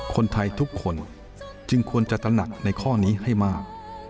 คนไทยทุกคนจึงควรจะตระหนักในข้อนี้ให้มาก